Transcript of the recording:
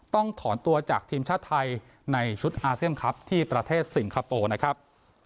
ต้องถอนตัวจากทีมชาติไทยในชุดอาเซียนครับที่ประเทศสิงคโปร์นะครับ